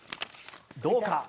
どうか？